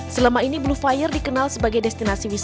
selama ini blue fire dikenal sebagai destinasi wisata